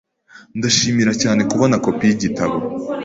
Ndashimira cyane kubona kopi yigitabo.